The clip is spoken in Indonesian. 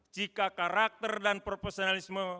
jika karakter dan profesionalisme